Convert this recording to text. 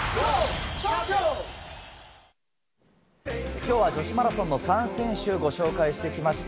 今日は女子マラソンの３選手、ご紹介してきました。